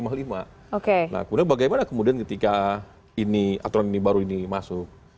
nah kemudian bagaimana kemudian ketika ini aturan ini baru ini masuk